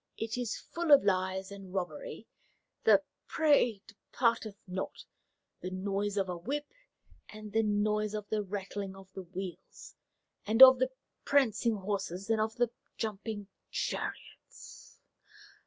It is full of lies and robbery; the prey departeth not. The noise of a whip, and the noise of the rattling of the wheel_s_, and of the prancing horse_s_, and of the jumping chariot_s_.